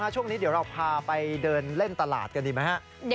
ช่วงนี้เดี๋ยวเราพาไปเดินเล่นตลาดกันดีไหมครับ